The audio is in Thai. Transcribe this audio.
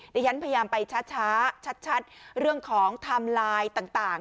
ได้ยั้นพยายามไปชัดชัดเรื่องของทำลายต่าง